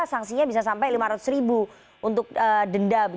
sanksinya bisa sampai lima ratus ribu untuk denda